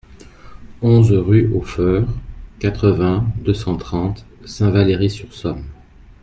onze rue au Feurre, quatre-vingts, deux cent trente, Saint-Valery-sur-Somme